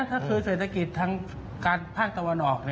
ถ้าคือเศรษฐกิจทางภาคตะวันออก